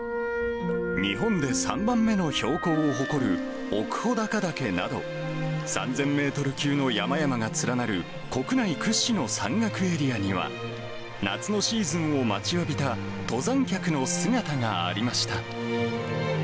日本で３番目の標高を誇る奥穂高岳など、３０００メートル級の山々が連なる、国内屈指の山岳エリアには、夏のシーズンを待ちわびた登山客の姿がありました。